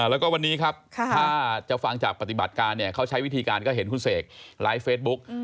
แล้วก็วันนี้ครับถ้าจะฟังจากปฏิบัติการเนี่ยเขาใช้วิธีการก็เห็นคุณเสกไลฟ์เฟซบุ๊ก